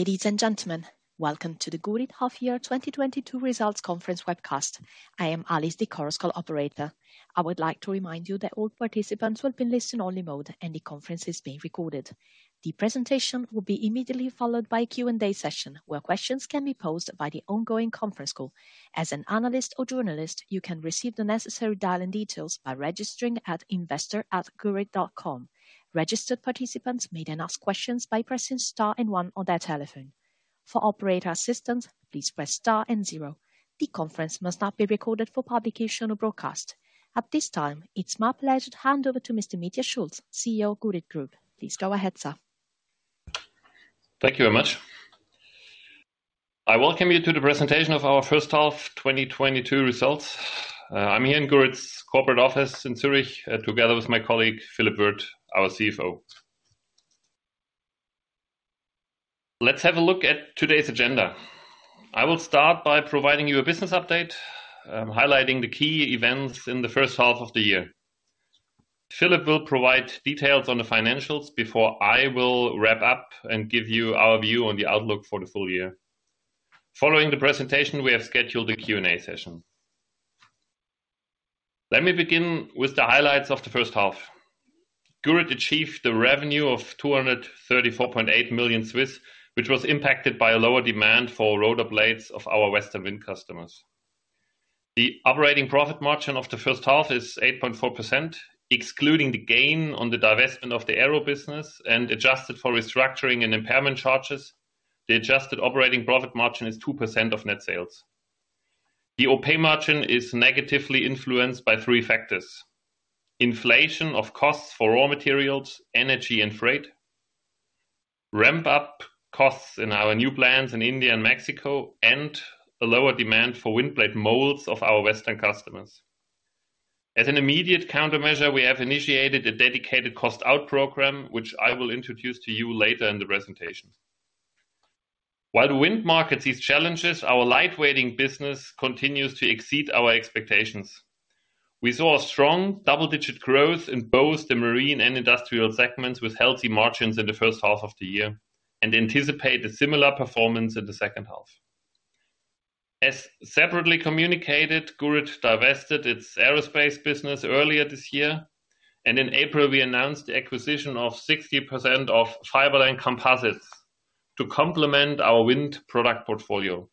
Ladies and gentlemen, welcome to the Gurit Half Year 2022 Results Conference webcast. I am Alice, the conference call operator. I would like to remind you that all participants will be in listen only mode, and the conference is being recorded. The presentation will be immediately followed by a Q&A session, where questions can be posed by the ongoing conference call. As an analyst or journalist, you can receive the necessary dial-in details by registering at investor.gurit.com. Registered participants may then ask questions by pressing star and one on their telephone. For operator assistance, please press star and zero. The conference must not be recorded for publication or broadcast. At this time, it's my pleasure to hand over to Mr. Mitja Schulz, CEO, Gurit Group. Please go ahead, sir. Thank you very much. I welcome you to the presentation of our first half 2022 results. I'm here in Gurit's corporate office in Zurich, together with my colleague, Philippe Wirth, our CFO. Let's have a look at today's agenda. I will start by providing you a business update, highlighting the key events in the first half of the year. Philippe will provide details on the financials before I will wrap up and give you our view on the outlook for the full year. Following the presentation, we have scheduled a Q&A session. Let me begin with the highlights of the first half. Gurit achieved a revenue of 234.8 million, which was impacted by a lower demand for rotor blades of our Western wind customers. The operating profit margin of the first half is 8.4%, excluding the gain on the divestment of the aero business and adjusted for restructuring and impairment charges. The adjusted operating profit margin is 2% of net sales. The OP margin is negatively influenced by three factors. Inflation of costs for raw materials, energy and freight, ramp-up costs in our new plants in India and Mexico, and a lower demand for wind blade molds of our Western customers. As an immediate countermeasure, we have initiated a dedicated cost out program, which I will introduce to you later in the presentation. While the wind market sees challenges, our lightweighting business continues to exceed our expectations. We saw a strong double-digit growth in both the marine and industrial segments with healthy margins in the first half of the year and anticipate a similar performance in the second half. As separately communicated, Gurit divested its aerospace business earlier this year, and in April, we announced the acquisition of 60% of Fiberline Composites to complement our wind product portfolio.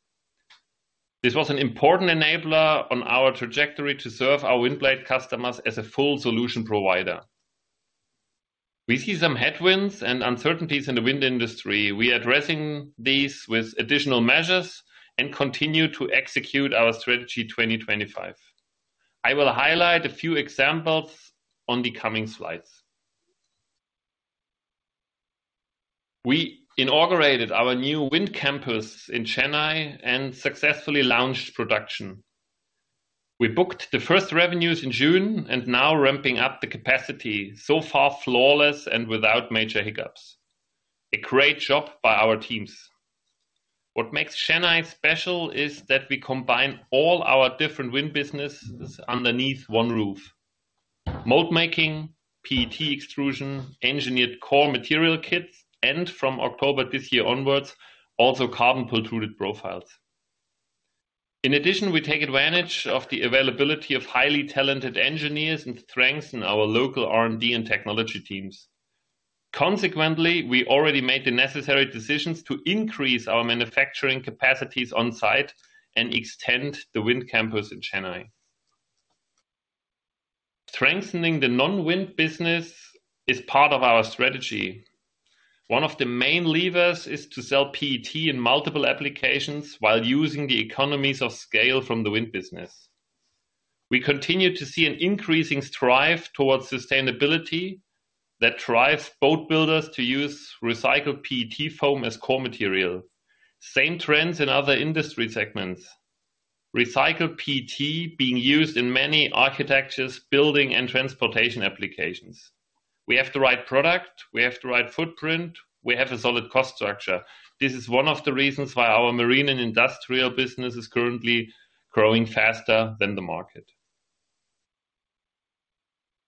This was an important enabler on our trajectory to serve our wind blade customers as a full solution provider. We see some headwinds and uncertainties in the wind industry. We are addressing these with additional measures and continue to execute our Strategy 2025. I will highlight a few examples on the coming slides. We inaugurated our new wind campus in Chennai and successfully launched production. We booked the first revenues in June and now ramping up the capacity, so far flawless and without major hiccups. A great job by our teams. What makes Chennai special is that we combine all our different wind businesses underneath one roof. Mold making, PET extrusion, engineered core material kits, and from October this year onwards, also carbon pultruded profiles. In addition, we take advantage of the availability of highly talented engineers and strengthen our local R&D and technology teams. Consequently, we already made the necessary decisions to increase our manufacturing capacities on-site and extend the wind campus in Chennai. Strengthening the non-wind business is part of our strategy. One of the main levers is to sell PET in multiple applications while using the economies of scale from the wind business. We continue to see an increasing drive towards sustainability that drives boat builders to use recycled PET foam as core material. Same trends in other industry segments. Recycled PET being used in many architectural, building, and transportation applications. We have the right product, we have the right footprint, we have a solid cost structure. This is one of the reasons why our marine and industrial business is currently growing faster than the market.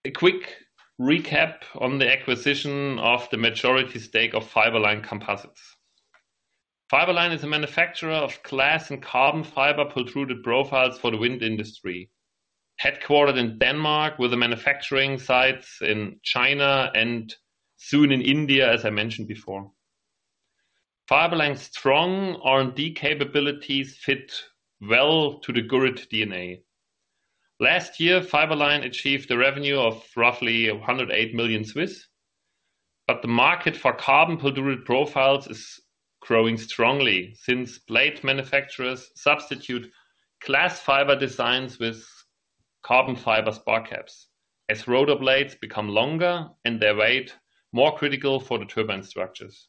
A quick recap on the acquisition of the majority stake of Fiberline Composites. Fiberline is a manufacturer of glass and carbon fiber pultruded profiles for the wind industry, headquartered in Denmark, with the manufacturing sites in China and soon in India, as I mentioned before. Fiberline's strong R&D capabilities fit well to the Gurit DNA. Last year, Fiberline achieved a revenue of roughly 108 million, but the market for carbon pultruded profiles is growing strongly since blade manufacturers substitute glass fiber designs with carbon fiber spar caps as rotor blades become longer and their weight more critical for the turbine structures.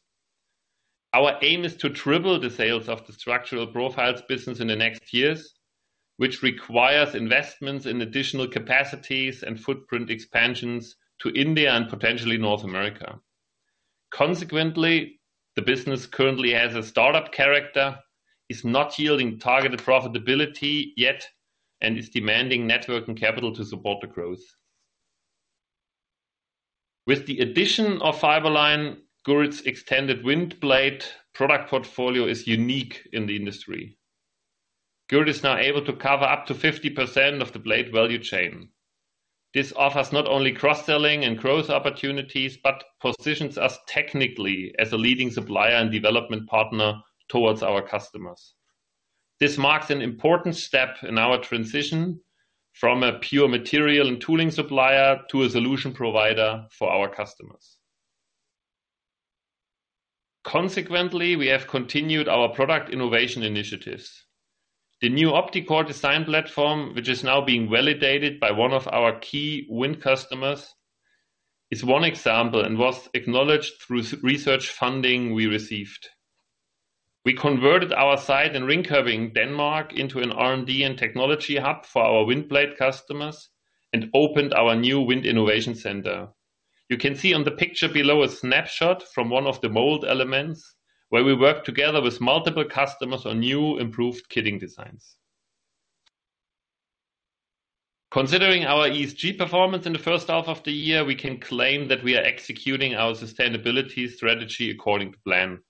Our aim is to triple the sales of the Structural Profiles business in the next years, which requires investments in additional capacities and footprint expansions to India and potentially North America. Consequently, the business currently has a startup character, is not yielding targeted profitability yet, and is demanding net working capital to support the growth. With the addition of Fiberline, Gurit's extended wind blade product portfolio is unique in the industry. Gurit is now able to cover up to 50% of the blade value chain. This offers not only cross-selling and growth opportunities, but positions us technically as a leading supplier and development partner towards our customers. This marks an important step in our transition from a pure material and tooling supplier to a solution provider for our customers. Consequently, we have continued our product innovation initiatives. The new OptiCore design platform, which is now being validated by one of our key wind customers, is one example and was acknowledged through EU research funding we received. We converted our site in Ringkøbing, Denmark, into an R&D and technology hub for our wind blade customers and opened our new wind innovation center. You can see on the picture below a snapshot from one of the mold elements, where we work together with multiple customers on new improved kitting designs. Considering our ESG performance in the first half of the year, we can claim that we are executing our sustainability strategy according to plan.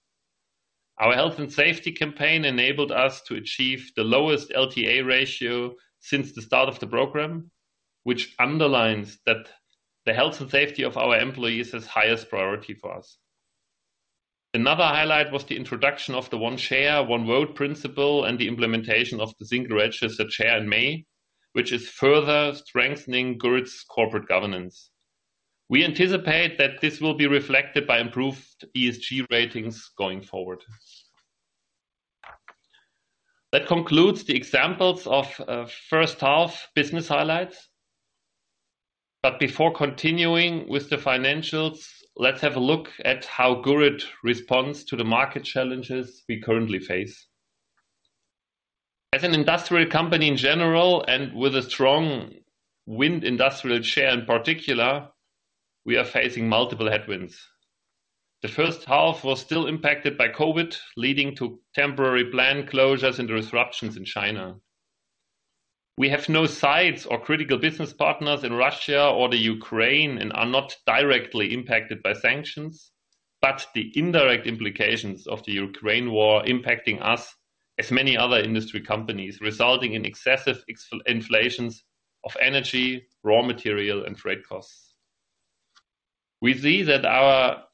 Our health and safety campaign enabled us to achieve the lowest LTA ratio since the start of the program, which underlines that the health and safety of our employees is highest priority for us. Another highlight was the introduction of the one share, one vote principle and the implementation of the single register share in May, which is further strengthening Gurit's corporate governance. We anticipate that this will be reflected by improved ESG ratings going forward. That concludes the examples of first half business highlights. Before continuing with the financials, let's have a look at how Gurit responds to the market challenges we currently face. As an industrial company in general, and with a strong wind industry share in particular, we are facing multiple headwinds. The first half was still impacted by COVID, leading to temporary plant closures and disruptions in China. We have no sites or critical business partners in Russia or the Ukraine and are not directly impacted by sanctions, but the indirect implications of the Ukraine war impacting us as many other industry companies, resulting in excessive inflation of energy, raw material, and freight costs. We see that our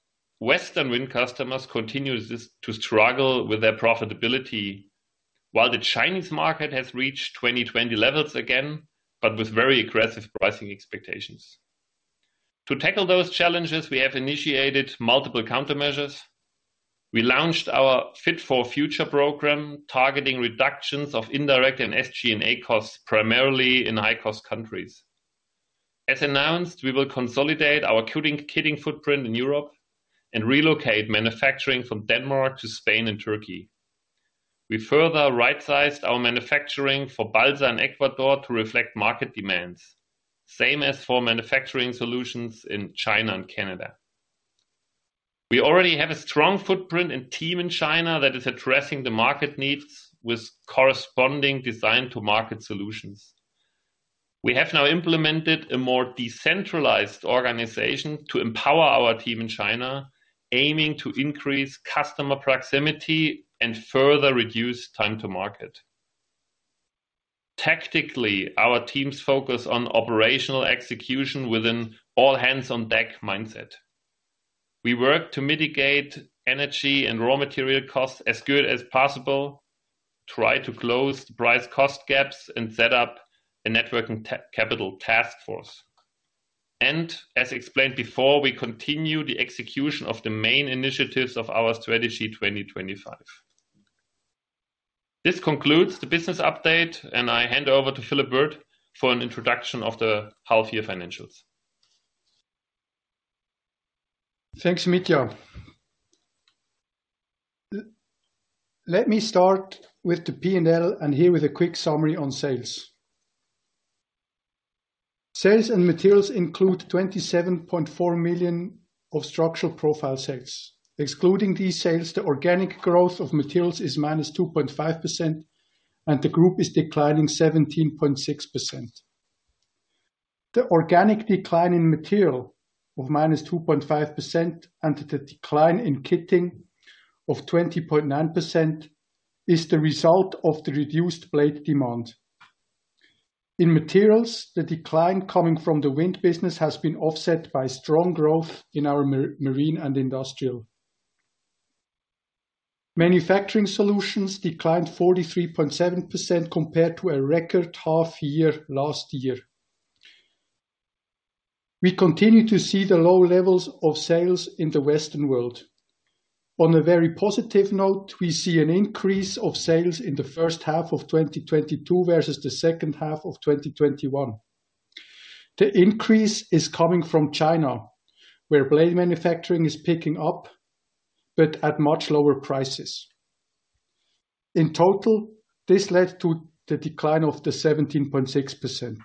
Western wind customers continue to struggle with their profitability, while the Chinese market has reached 2020 levels again, but with very aggressive pricing expectations. To tackle those challenges, we have initiated multiple countermeasures. We launched our Fit-for-Future program, targeting reductions of indirect and SG&A costs, primarily in high-cost countries. As announced, we will consolidate our kitting footprint in Europe and relocate manufacturing from Denmark to Spain and Turkey. We further right-sized our manufacturing for Balsa in Ecuador to reflect market demands, same as for manufacturing solutions in China and Canada. We already have a strong footprint and team in China that is addressing the market needs with corresponding design to market solutions. We have now implemented a more decentralized organization to empower our team in China, aiming to increase customer proximity and further reduce time to market. Tactically, our teams focus on operational execution within all hands on deck mindset. We work to mitigate energy and raw material costs as good as possible, try to close the price cost gaps, and set up a working capital task force. As explained before, we continue the execution of the main initiatives of our Strategy 2025. This concludes the business update, and I hand over to Philippe Wirth for an introduction of the half year financials. Thanks, Mitja. Let me start with the P&L and here with a quick summary on sales. Sales in materials include 27.4 million of Structural Profiles sales. Excluding these sales, the organic growth of materials is -2.5%, and the group is declining 17.6%. The organic decline in materials of -2.5% and the decline in kitting of 20.9% is the result of the reduced blade demand. In materials, the decline coming from the wind business has been offset by strong growth in our marine and industrial. Manufacturing solutions declined 43.7% compared to a record half year last year. We continue to see the low levels of sales in the Western world. On a very positive note, we see an increase of sales in the first half of 2022 versus the second half of 2021. The increase is coming from China, where blade manufacturing is picking up, but at much lower prices. In total, this led to the decline of the 17.6%.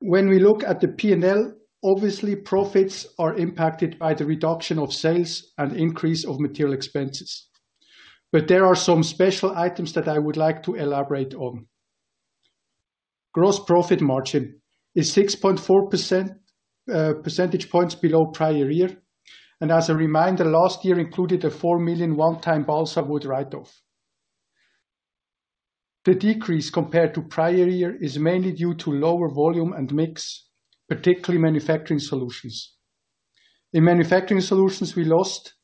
When we look at the P&L, obviously profits are impacted by the reduction of sales and increase of material expenses. There are some special items that I would like to elaborate on. Gross profit margin is 6.4%, percentage points below prior year. As a reminder, last year included a 4 million one-time balsa wood write-off. The decrease compared to prior year is mainly due to lower volume and mix, particularly manufacturing solutions. In manufacturing solutions, we lost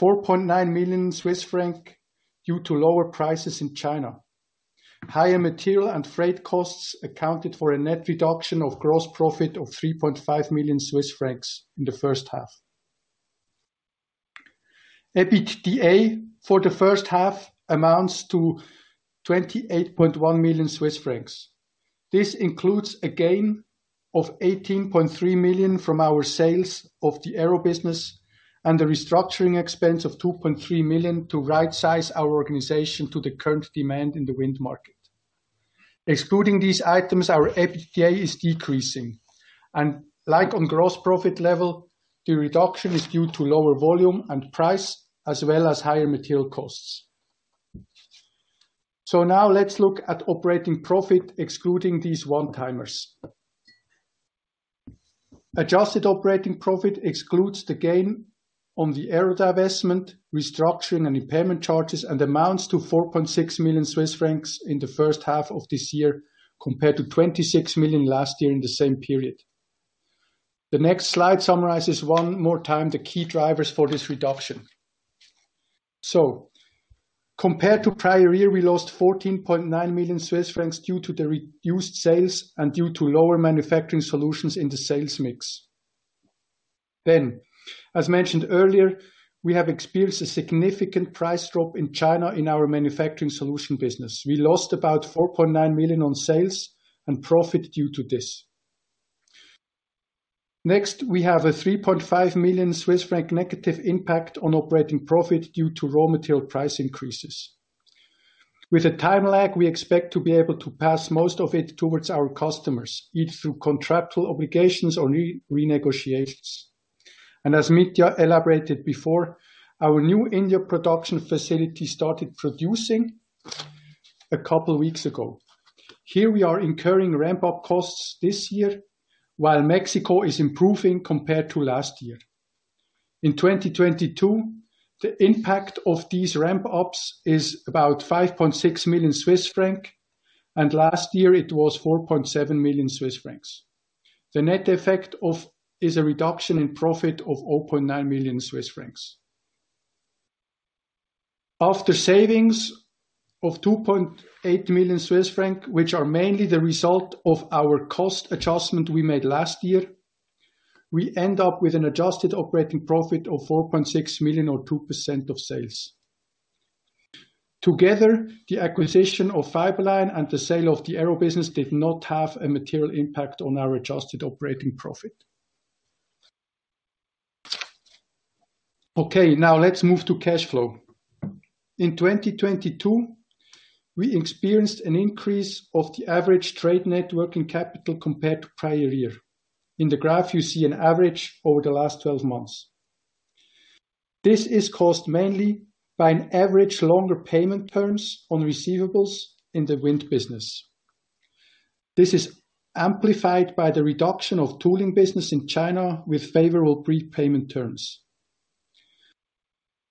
4.9 million Swiss franc due to lower prices in China. Higher material and freight costs accounted for a net reduction of gross profit of 3.5 million Swiss francs in the first half. EBITDA for the first half amounts to 28.1 million Swiss francs. This includes a gain of 18.3 million from our sales of the Aerospace business and the restructuring expense of 2.3 million to rightsize our organization to the current demand in the wind market. Excluding these items, our EBITDA is decreasing, and like on gross profit level, the reduction is due to lower volume and price, as well as higher material costs. Now let's look at operating profit excluding these one-timers. Adjusted operating profit excludes the gain on the Aerospace divestment, restructuring, and impairment charges, and amounts to 4.6 million Swiss francs in the first half of this year, compared to 26 million last year in the same period. The next slide summarizes one more time the key drivers for this reduction. Compared to prior year, we lost 14.9 million Swiss francs due to the reduced sales and due to lower manufacturing solutions in the sales mix. As mentioned earlier, we have experienced a significant price drop in China in our manufacturing solution business. We lost about 4.9 million on sales and profit due to this. Next, we have a 3.5 million Swiss franc negative impact on operating profit due to raw material price increases. With a time lag, we expect to be able to pass most of it towards our customers, either through contractual obligations or renegotiations. As Mitja elaborated before, our new India production facility started producing a couple weeks ago. Here we are incurring ramp-up costs this year, while Mexico is improving compared to last year. In 2022, the impact of these ramp-ups is about 5.6 million Swiss franc, and last year it was 4.7 million Swiss francs. The net effect is a reduction in profit of 4.9 million Swiss francs. After savings of 2.8 million Swiss francs, which are mainly the result of our cost adjustment we made last year, we end up with an adjusted operating profit of 4.6 million or 2% of sales. Together, the acquisition of Fiberline and the sale of the Aerospace business did not have a material impact on our adjusted operating profit. Okay, now let's move to cash flow. In 2022, we experienced an increase of the average trade net working capital compared to prior year. In the graph, you see an average over the last 12 months. This is caused mainly by an average longer payment terms on receivables in the wind business. This is amplified by the reduction of tooling business in China with favorable prepayment terms.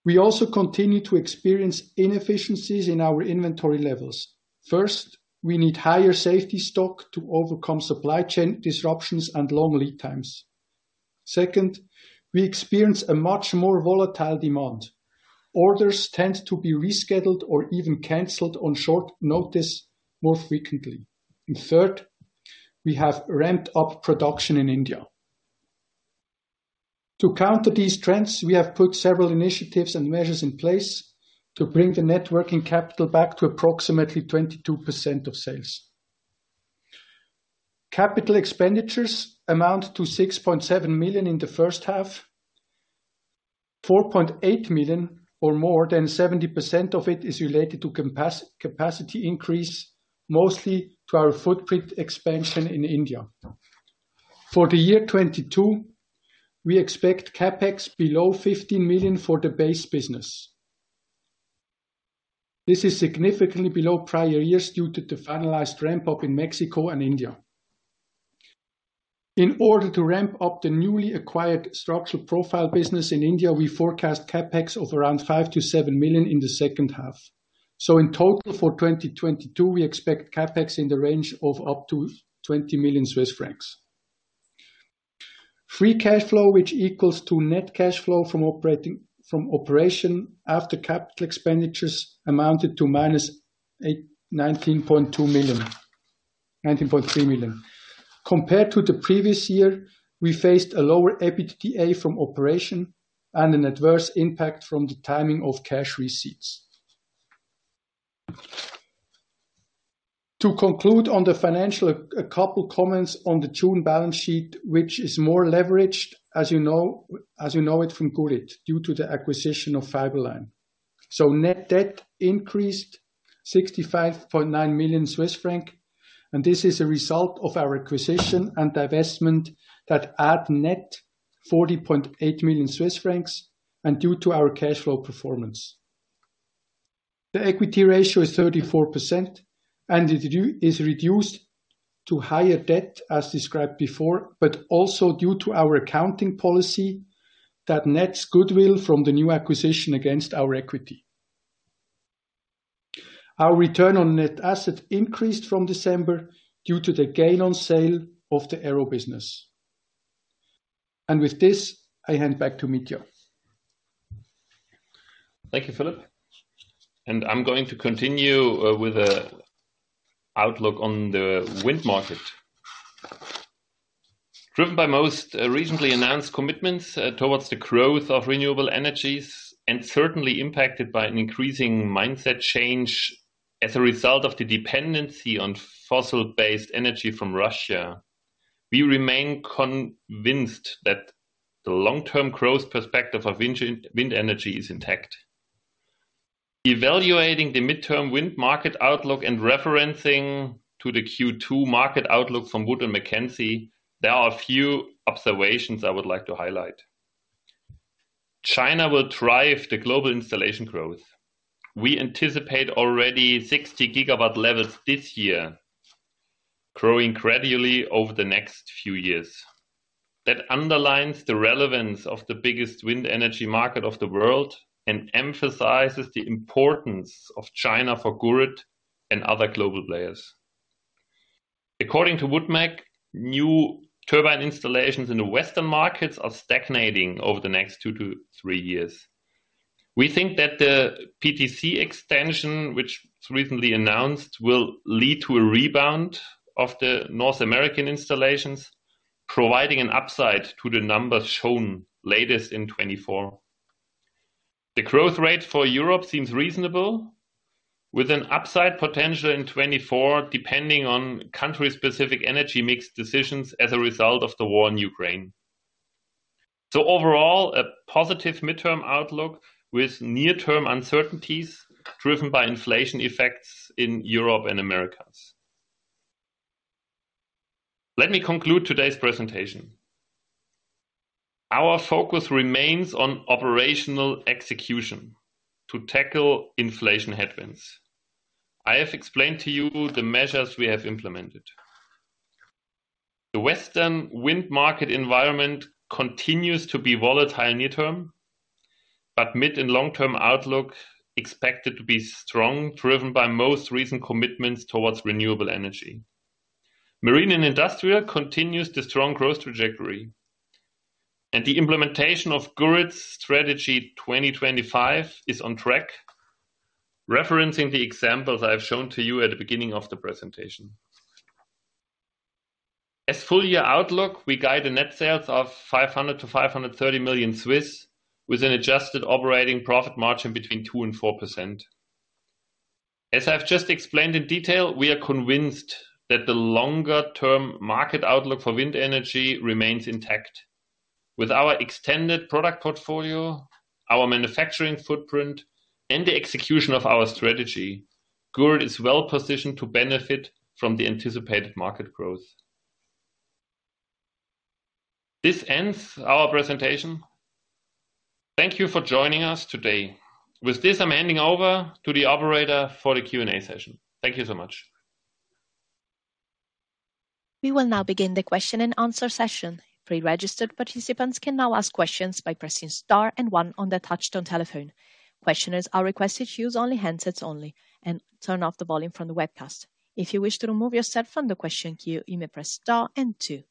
We also continue to experience inefficiencies in our inventory levels. First, we need higher safety stock to overcome supply chain disruptions and long lead times. Second, we experience a much more volatile demand. Orders tend to be rescheduled or even canceled on short notice more frequently. Third, we have ramped up production in India. To counter these trends, we have put several initiatives and measures in place to bring the net working capital back to approximately 22% of sales. Capital expenditures amount to 6.7 million in the first half. 4.8 million or more than 70% of it is related to capacity increase, mostly to our footprint expansion in India. For the year 2022, we expect CapEx below 15 million for the base business. This is significantly below prior years due to the finalized ramp-up in Mexico and India. In order to ramp up the newly acquired Structural Profiles business in India, we forecast CapEx of around 5-7 million in the second half. In total for 2022, we expect CapEx in the range of up to 20 million Swiss francs. Free cash flow, which equals to net cash flow from operations after capital expenditures amounted to -19.3 million. Compared to the previous year, we faced a lower EBITDA from operations and an adverse impact from the timing of cash receipts. To conclude on the financial, a couple comments on the June balance sheet, which is more leveraged, as you know it from Gurit, due to the acquisition of Fiberline. Net debt increased 65.9 million Swiss franc, and this is a result of our acquisition and divestment that add net 40.8 million Swiss francs and due to our cash flow performance. The equity ratio is 34%, and it is reduced to higher debt as described before, but also due to our accounting policy that nets goodwill from the new acquisition against our equity. Our return on net asset increased from December due to the gain on sale of the Aerospace business. With this, I hand back to Mitja. Thank you, Philippe. I'm going to continue with the outlook on the wind market. Driven by most recently announced commitments towards the growth of renewable energies and certainly impacted by an increasing mindset change as a result of the dependency on fossil-based energy from Russia, we remain convinced that the long-term growth perspective of wind energy is intact. Evaluating the midterm wind market outlook and referencing to the Q2 market outlook from Wood Mackenzie, there are a few observations I would like to highlight. China will drive the global installation growth. We anticipate already 60 GW levels this year, growing gradually over the next few years. That underlines the relevance of the biggest wind energy market of the world and emphasizes the importance of China for Gurit and other global players. According to WoodMac, new turbine installations in the Western markets are stagnating over the next 2-3 years. We think that the PTC extension, which was recently announced, will lead to a rebound of the North American installations, providing an upside to the numbers shown latest in 2024. The growth rate for Europe seems reasonable, with an upside potential in 2024, depending on country-specific energy mix decisions as a result of the war in Ukraine. Overall, a positive midterm outlook with near-term uncertainties driven by inflation effects in Europe and Americas. Let me conclude today's presentation. Our focus remains on operational execution to tackle inflation headwinds. I have explained to you the measures we have implemented. The Western wind market environment continues to be volatile near-term, but mid and long-term outlook expected to be strong, driven by most recent commitments towards renewable energy. Marine and industrial continues the strong growth trajectory, and the implementation of Gurit's Strategy 2025 is on track, referencing the examples I have shown to you at the beginning of the presentation. As full year outlook, we guide the net sales of 500 million-530 million, with an adjusted operating profit margin between 2% and 4%. As I've just explained in detail, we are convinced that the longer-term market outlook for wind energy remains intact. With our extended product portfolio, our manufacturing footprint, and the execution of our strategy, Gurit is well positioned to benefit from the anticipated market growth. This ends our presentation. Thank you for joining us today. With this, I'm handing over to the operator for the Q&A session. Thank you so much. We will now begin the question and answer session. Pre-registered participants can now ask questions by pressing star and one on their touch-tone telephone. Questioners are requested to use only handsets and turn off the volume from the webcast. If you wish to remove yourself from the question queue, you may press star and two.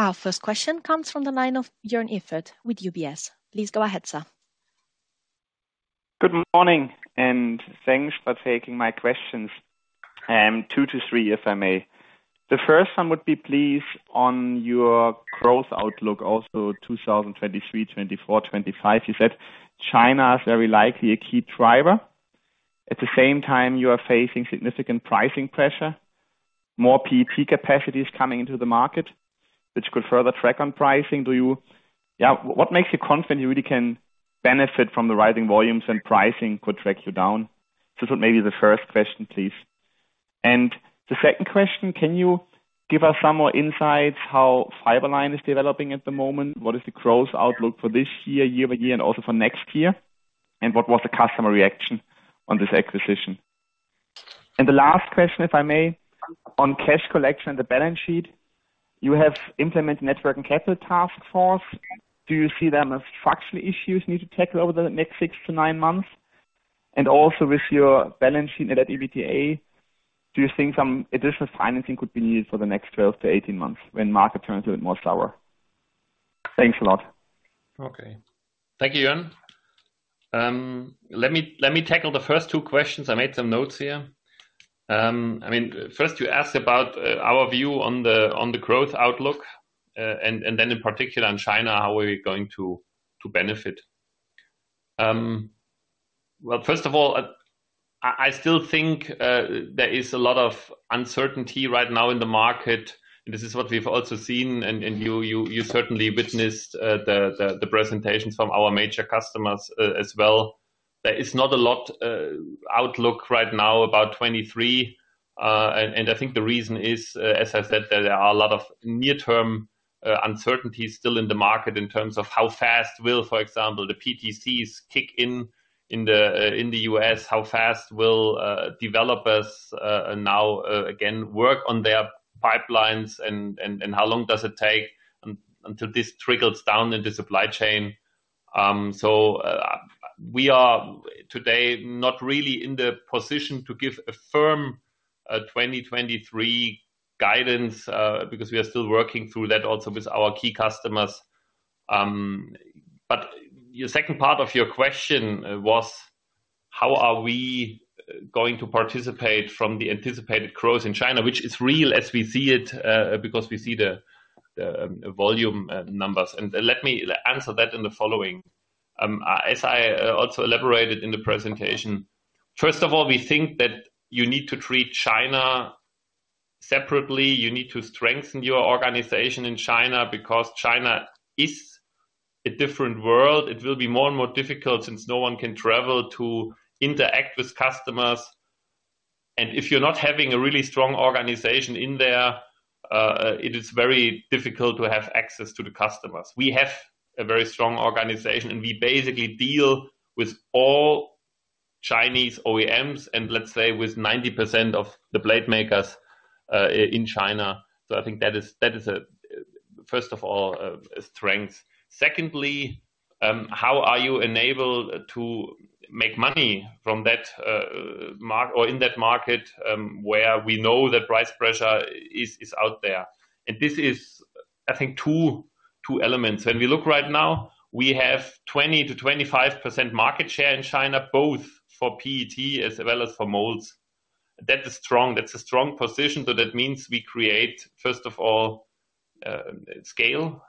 Our first question comes from the line of Jörn Iffert with UBS. Please go ahead, sir. Good morning, and thanks for taking my questions. Two to three, if I may. The first one would be, please, on your growth outlook, also 2023, 2024, 2025. You said China is very likely a key driver. At the same time, you are facing significant pricing pressure, more PET capacities coming into the market, which could further drag on pricing. What makes you confident you really can benefit from the rising volumes and pricing could drag you down? This is maybe the first question, please. The second question, can you give us some more insights how Fiberline is developing at the moment? What is the growth outlook for this year-over-year, and also for next year? And what was the customer reaction on this acquisition? The last question, if I may, on cash collection and the balance sheet. You have implemented net working capital task force. Do you see there structural issues need to tackle over the next 6-9 months? Also with your balance sheet and that EBITDA, do you think some additional financing could be needed for the next 12-18 months when market turns a bit more sour? Thanks a lot. Okay. Thank you, Jörn. Let me tackle the first two questions. I made some notes here. I mean, first you asked about our view on the growth outlook and then in particular on China, how we're going to benefit. Well, first of all, I still think there is a lot of uncertainty right now in the market. This is what we've also seen, and you certainly witnessed the presentations from our major customers as well. There is not a lot of outlook right now about 2023, and I think the reason is, as I said, that there are a lot of near term uncertainties still in the market in terms of how fast will, for example, the PTCs kick in in the US, how fast will developers now again work on their pipelines and how long does it take until this trickles down in the supply chain. We are today not really in the position to give a firm 2023 guidance, because we are still working through that also with our key customers. Your second part of your question was how are we going to participate in the anticipated growth in China, which is real as we see it, because we see the volume numbers. Let me answer that in the following. As I also elaborated in the presentation, first of all, we think that you need to treat China separately. You need to strengthen your organization in China because China is a different world. It will be more and more difficult since no one can travel to interact with customers. If you're not having a really strong organization in there, it is very difficult to have access to the customers. We have a very strong organization, and we basically deal with all Chinese OEMs and let's say with 90% of the blade makers in China. I think that is first of all a strength. Secondly, how are you enabled to make money from that market or in that market, where we know that price pressure is out there? This is, I think, two elements. When we look right now, we have 20%-25% market share in China, both for PET as well as for molds. That is strong. That's a strong position. That means we create, first of all, scale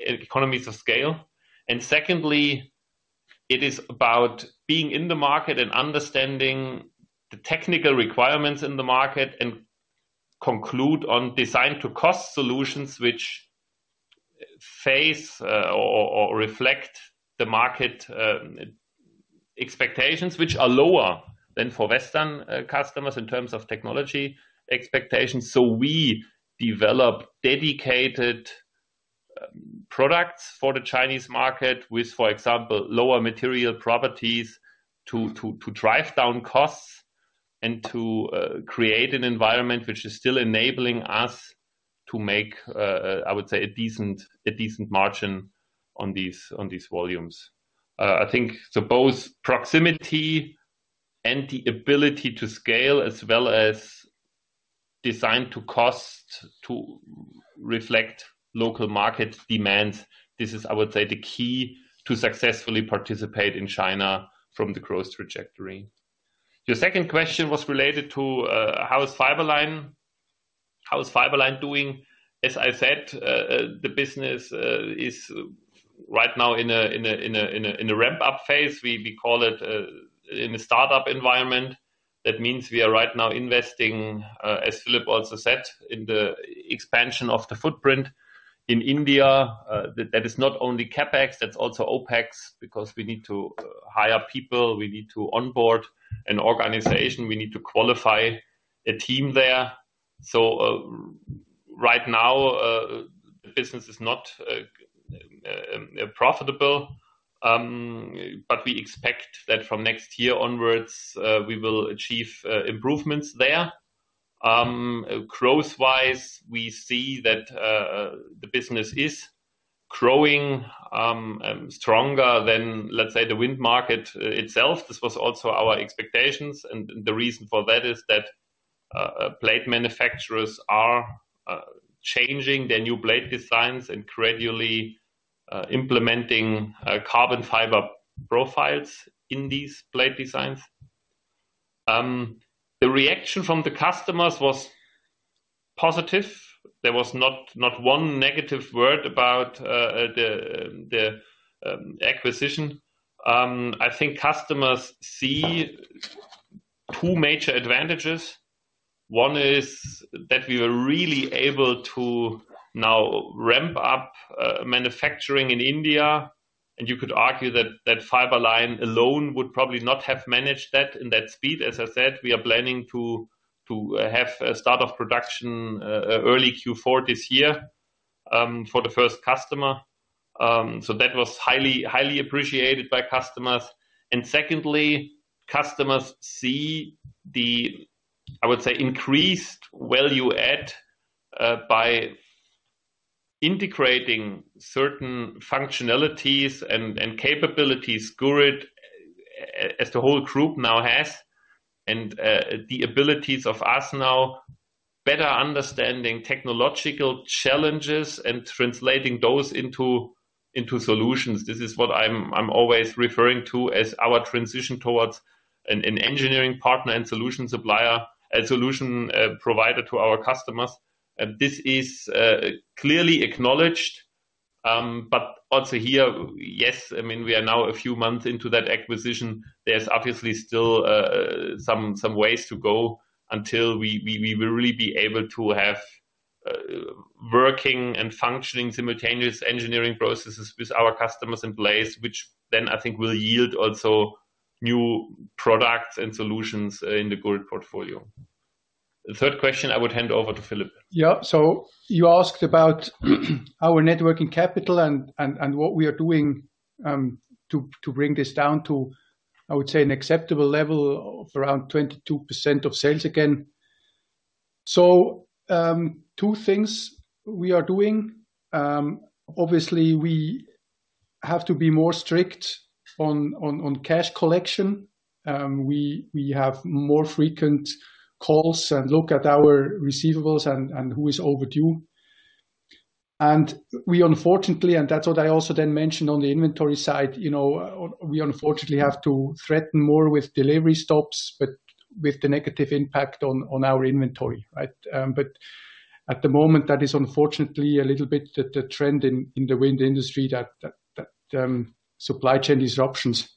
economies of scale. Secondly, it is about being in the market and understanding the technical requirements in the market and conclude on design to cost solutions which reflect the market expectations which are lower than for Western customers in terms of technology expectations. We develop dedicated products for the Chinese market with, for example, lower material properties to drive down costs and to create an environment which is still enabling us to make, I would say a decent margin on these volumes. I think so both proximity and the ability to scale as well as design to cost to reflect local market demands. This is, I would say, the key to successfully participate in China from the growth trajectory. Your second question was related to how is Fiberline doing? As I said, the business is right now in a ramp-up phase. We call it in a startup environment. That means we are right now investing, as Philippe also said, in the expansion of the footprint in India. That is not only CapEx, that's also OpEx, because we need to hire people, we need to onboard an organization, we need to qualify a team there. Right now, the business is not profitable, but we expect that from next year onwards, we will achieve improvements there. Growth-wise, we see that the business is growing stronger than, let's say, the wind market itself. This was also our expectations. The reason for that is that blade manufacturers are changing their new blade designs and gradually implementing carbon fiber profiles in these blade designs. The reaction from the customers was positive. There was not one negative word about the acquisition. I think customers see two major advantages. One is that we were really able to now ramp up manufacturing in India. You could argue that Fiberline alone would probably not have managed that in that speed. As I said, we are planning to have a start of production early Q4 this year for the first customer. So that was highly appreciated by customers. Secondly, customers see the, I would say, increased value add by integrating certain functionalities and capabilities Gurit as the whole group now has, and the abilities of us now better understanding technological challenges and translating those into solutions. This is what I'm always referring to as our transition towards an engineering partner and solution supplier and solution provider to our customers. This is clearly acknowledged. Also here, yes, I mean, we are now a few months into that acquisition. There's obviously still some ways to go until we will really be able to have working and functioning simultaneous engineering processes with our customers in place, which then I think will yield also new products and solutions in the Gurit portfolio. The third question I would hand over to Philippe. Yeah. You asked about our net working capital and what we are doing to bring this down to I would say an acceptable level of around 22% of sales again. Two things we are doing. Obviously we have to be more strict on cash collection. We have more frequent calls and look at our receivables and who is overdue. We unfortunately and that's what I also then mentioned on the inventory side you know have to threaten more with delivery stops but with the negative impact on our inventory right? At the moment, that is unfortunately a little bit the trend in the wind industry that supply chain disruptions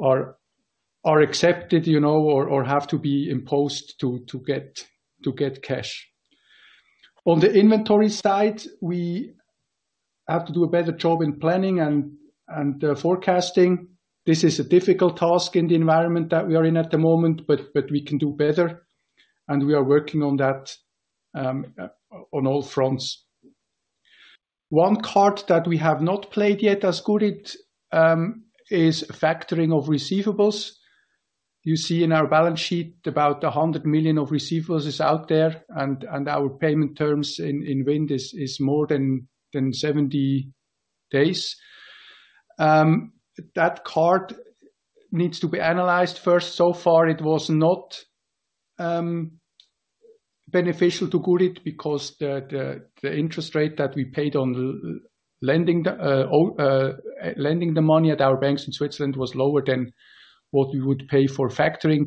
are accepted, you know, or have to be imposed to get cash. On the inventory side, we have to do a better job in planning and forecasting. This is a difficult task in the environment that we are in at the moment, but we can do better, and we are working on that, on all fronts. One card that we have not played yet as Gurit is factoring of receivables. You see in our balance sheet, about 100 million of receivables is out there and our payment terms in wind is more than 70 days. That card needs to be analyzed first. So far, it was not beneficial to Gurit because the interest rate that we paid on lending the money at our banks in Switzerland was lower than what we would pay for factoring.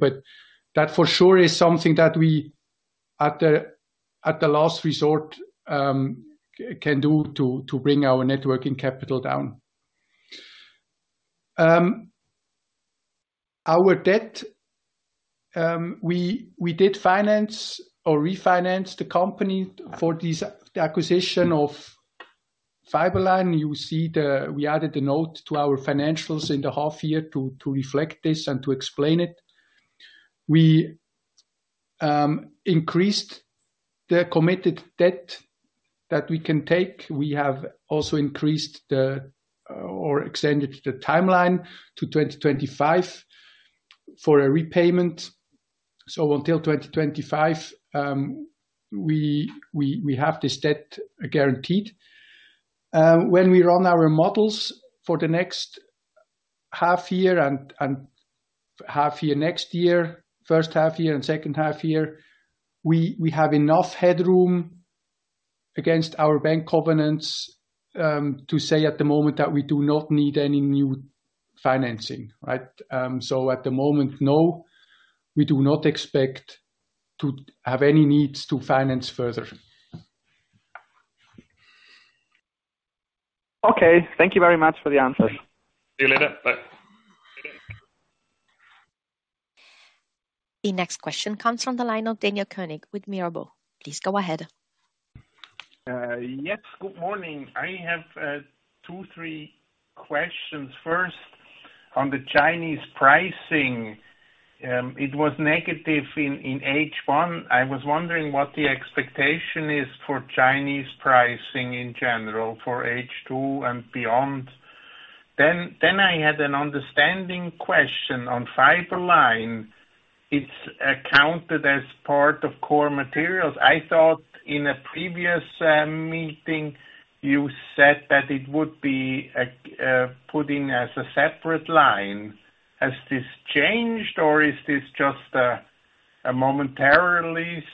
That for sure is something that we at the last resort can do to bring our net working capital down. Our debt, we did finance or refinance the company for the acquisition of Fiberline. You see we added a note to our financials in the half year to reflect this and to explain it. We increased the committed debt that we can take. We have also increased or extended the timeline to 2025 for a repayment. Until 2025, we have this debt guaranteed. When we run our models for the next half year and half year next year, first half year and second half year, we have enough headroom against our bank covenants to say at the moment that we do not need any new financing, right? At the moment, no, we do not expect to have any needs to finance further. Okay. Thank you very much for the answers. See you later. Bye. The next question comes from the line of Daniel König with Mirabaud. Please go ahead. Yes. Good morning. I have two, three questions. First, on the Chinese pricing, it was negative in H1. I was wondering what the expectation is for Chinese pricing in general for H2 and beyond. I had an understanding question on Fiberline. It's accounted as part of core materials. I thought in a previous meeting you said that it would be put in as a separate line. Has this changed, or is this just a momentary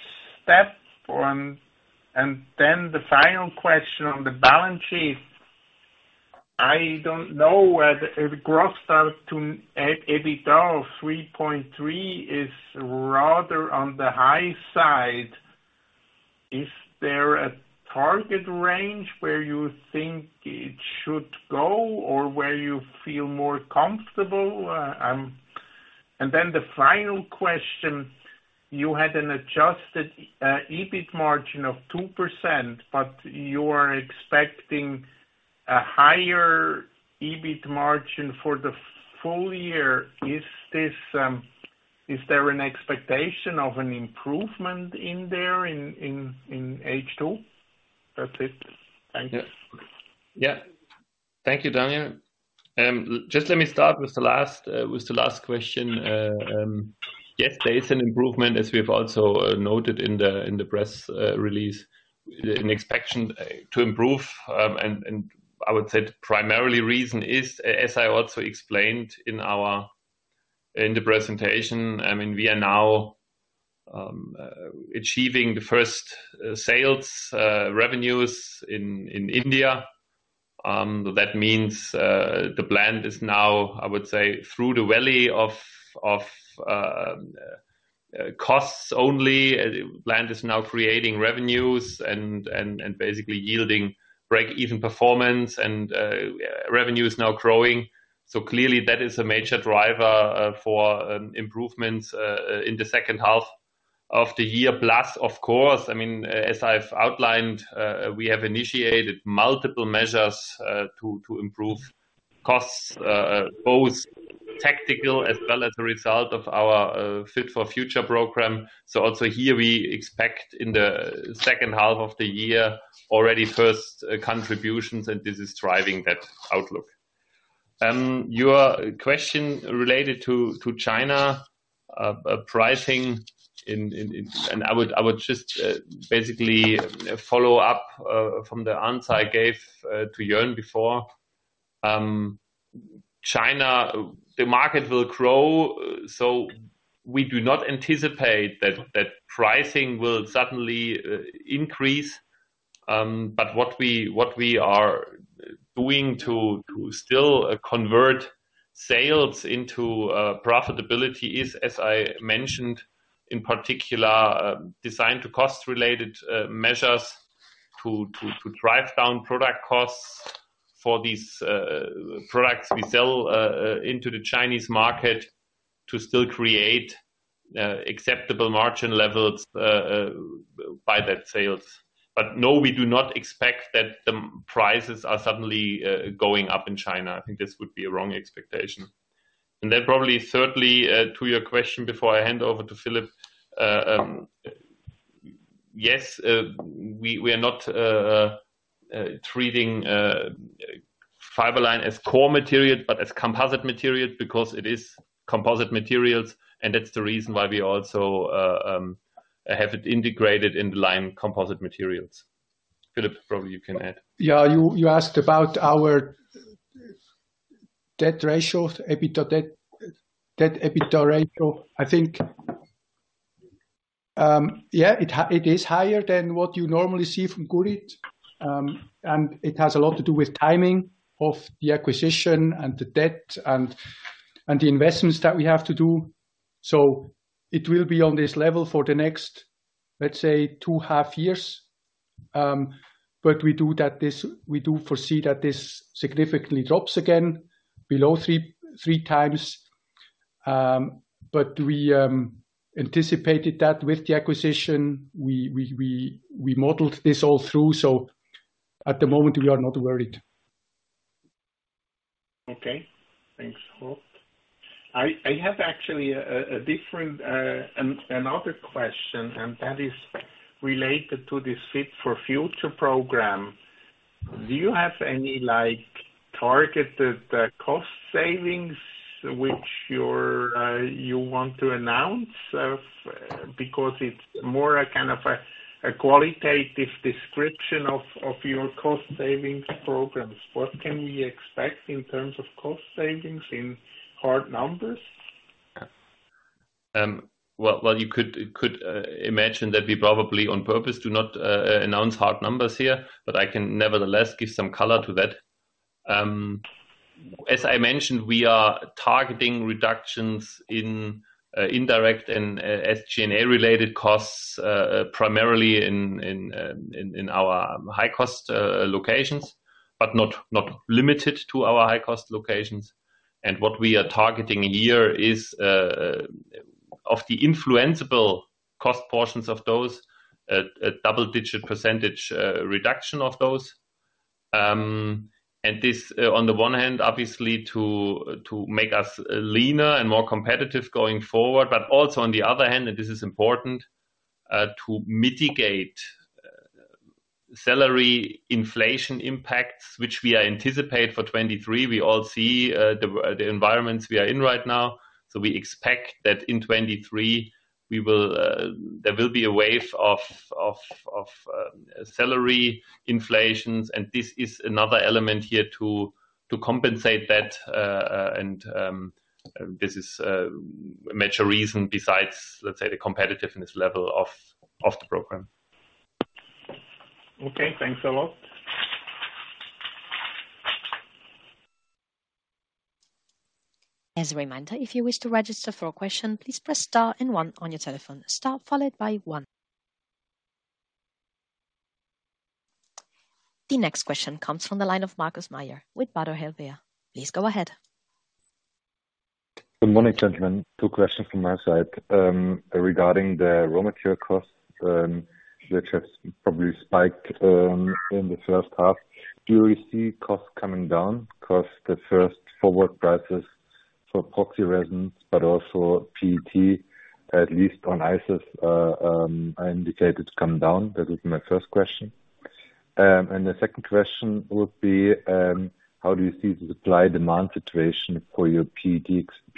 step? The final question on the balance sheet, I don't know whether the gross debt to EBITDA of 3.3 is rather on the high side. Is there a target range where you think it should go or where you feel more comfortable? The final question, you had an adjusted EBIT margin of 2%, but you are expecting a higher EBIT margin for the full year. Is there an expectation of an improvement in H2? That's it. Thank you. Yeah. Thank you, Daniel. Just let me start with the last question. Yes, there is an improvement as we have also noted in the press release, an expectation to improve. I would say the primary reason is, as I also explained in the presentation, I mean, we are now achieving the first sales revenues in India. That means, the plant is now, I would say, through the valley of costs only. Plant is now creating revenues and basically yielding break-even performance and revenue is now growing. Clearly that is a major driver for improvements in the second half of the year. Plus, of course, I mean, as I've outlined, we have initiated multiple measures to improve costs, both tactical as well as a result of our Fit-for-Future program. Also here we expect in the second half of the year already first contributions, and this is driving that outlook. Your question related to China pricing. I would just basically follow up from the answer I gave to Jörn before. China, the market will grow, so we do not anticipate that pricing will suddenly increase. What we are doing to still convert sales into profitability is, as I mentioned, in particular, design-to-cost related measures to drive down product costs for these products we sell into the Chinese market to still create acceptable margin levels by those sales. No, we do not expect that the prices are suddenly going up in China. I think this would be a wrong expectation. Probably thirdly to your question before I hand over to Philippe. Yes, we are not treating Fiberline as core material, but as composite material because it is composite materials, and that's the reason why we also have it integrated in line composite materials. Philipp, probably you can add. Yeah, you asked about our net debt to EBITDA ratio. I think, yeah, it is higher than what you normally see from Gurit. It has a lot to do with timing of the acquisition and the debt and the investments that we have to do. It will be on this level for the next, let's say, two half years. We foresee that this significantly drops again below 3x. We anticipated that with the acquisition. We modeled this all through, so at the moment we are not worried. Okay, thanks a lot. I have actually another question that is related to this Fit-for-Future program. Do you have any, like, targeted cost savings which you want to announce? Because it's more a kind of qualitative description of your cost savings programs. What can we expect in terms of cost savings in hard numbers? Well, you could imagine that we probably on purpose do not announce hard numbers here, but I can nevertheless give some color to that. As I mentioned, we are targeting reductions in indirect and SG&A-related costs primarily in our high-cost locations, but not limited to our high-cost locations. What we are targeting a year is of the influenceable cost portions of those, a double-digit % reduction of those. This on the one hand, obviously to make us leaner and more competitive going forward. Also on the other hand, and this is important, to mitigate salary inflation impacts, which we anticipate for 2023. We all see the environments we are in right now. We expect that in 2023 there will be a wave of salary inflations. This is another element here to compensate that. This is a major reason besides, let's say, the competitiveness level of the program. Okay, thanks a lot. As a reminder, if you wish to register for a question, please press star and one on your telephone. Star followed by one. The next question comes from the line of Markus Mayer with Baader Helvea. Please go ahead. Good morning, gentlemen. Two questions from my side. Regarding the raw material costs, which have probably spiked in the first half. Do you see costs coming down? 'Cause the first forward prices for epoxy resins, but also PET, at least on ICIS, indicated to come down. That is my first question. The second question would be, how do you see the supply/demand situation for your PET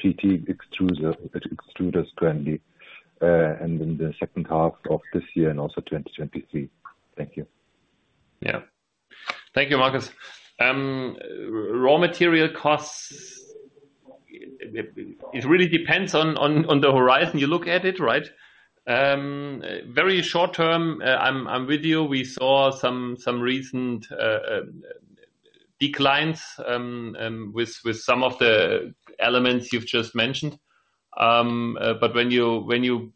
extruders currently, and in the second half of this year and also 2023? Thank you. Yeah. Thank you, Markus. Raw material costs, it really depends on the horizon you look at it, right? Very short-term, I'm with you. We saw some recent declines with some of the elements you've just mentioned. But when you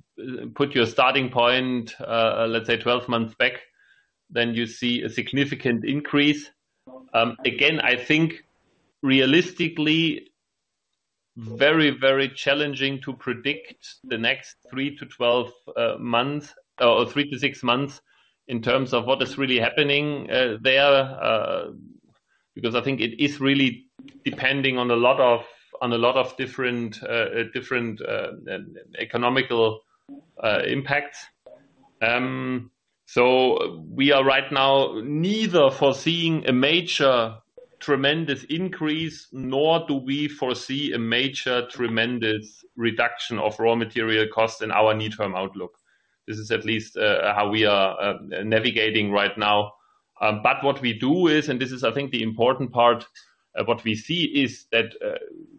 put your starting point, let's say 12 months back, then you see a significant increase. Again, I think realistically, very challenging to predict the next 3-12 months or 3-6 months in terms of what is really happening there. Because I think it is really depending on a lot of different economic impacts. We are right now neither foreseeing a major tremendous increase, nor do we foresee a major tremendous reduction of raw material costs in our near-term outlook. This is at least how we are navigating right now. What we do is, and this is I think the important part, what we see is that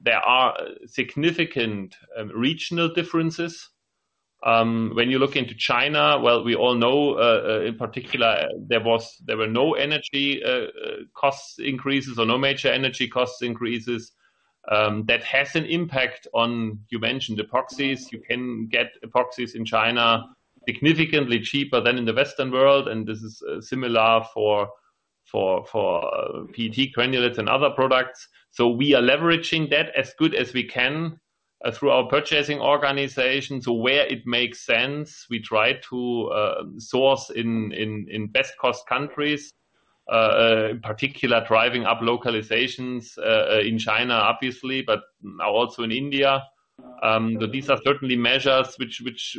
there are significant regional differences. When you look into China, well, we all know, in particular, there were no major energy cost increases. That has an impact on, you mentioned epoxies. You can get epoxies in China significantly cheaper than in the Western world, and this is similar for PET granulates and other products. We are leveraging that as good as we can through our purchasing organization to where it makes sense. We try to source in best cost countries, in particular, driving up localizations in China, obviously, but now also in India. These are certainly measures with which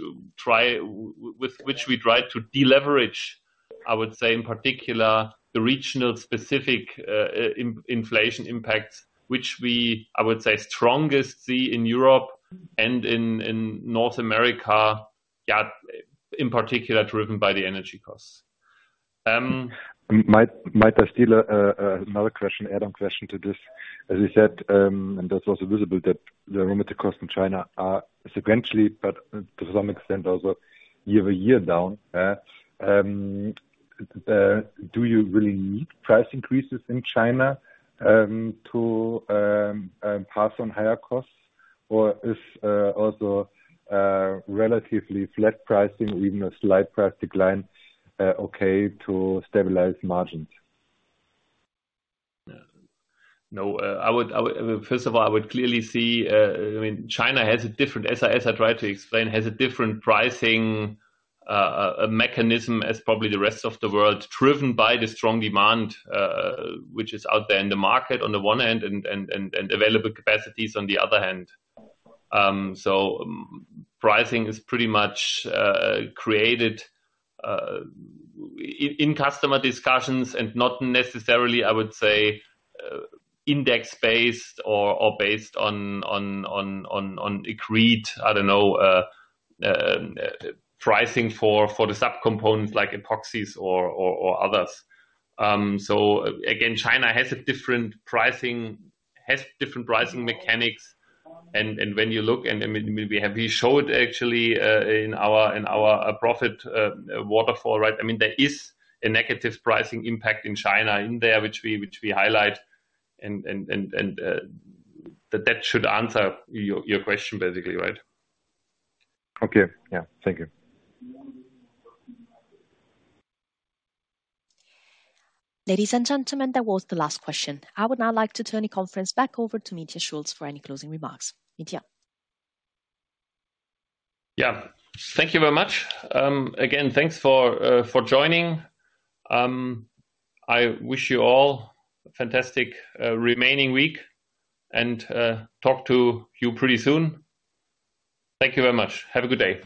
we try to deleverage, I would say, in particular, the region-specific inflation impacts, which we, I would say, see strongest in Europe and in North America, yeah, in particular, driven by the energy costs. Might I steal another question, add-on question to this? As you said, and that's also visible, that the raw material costs in China are sequentially, but to some extent also year-over-year down. Do you really need price increases in China to pass on higher costs? Or is also relatively flat pricing or even a slight price decline okay to stabilize margins? No, I would. First of all, I would clearly see, I mean, China has a different, as I tried to explain, has a different pricing mechanism as probably the rest of the world, driven by the strong demand, which is out there in the market on the one end and available capacities on the other hand. So pricing is pretty much created in customer discussions and not necessarily, I would say, index based or based on agreed, I don't know, pricing for the subcomponents like epoxies or others. So again, China has a different pricing mechanics. When you look, I mean, we showed actually in our profit waterfall, right? I mean, there is a negative pricing impact in China in there which we highlight and that should answer your question basically, right? Okay. Yeah. Thank you. Ladies and gentlemen, that was the last question. I would now like to turn the conference back over to Mitja Schulz for any closing remarks. Mitja. Yeah. Thank you very much. Again, thanks for joining. I wish you all a fantastic remaining week and talk to you pretty soon. Thank you very much. Have a good day. Bye.